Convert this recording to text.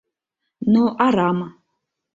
но арам.